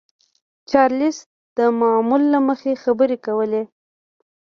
چارليس د معمول له مخې خبرې کولې.